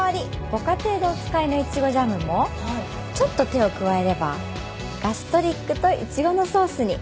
ご家庭でお使いのイチゴジャムもちょっと手を加えればガストリックとイチゴのソースに。